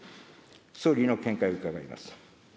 総理の見解を伺います。